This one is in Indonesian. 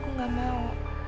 aku gak mau